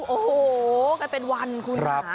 โอ้โหกันเป็นวันคุณค่ะ